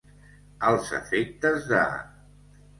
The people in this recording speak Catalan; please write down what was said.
Als efectes de.